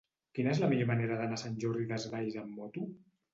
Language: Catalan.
Quina és la millor manera d'anar a Sant Jordi Desvalls amb moto?